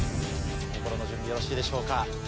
心の準備よろしいでしょうか？